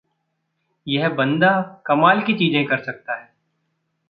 यह बंदा कमाल की चीज़ें कर सकता है।